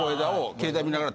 携帯見ながら。